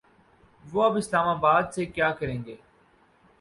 وہ اب اسلام آباد سے کیا کریں گے۔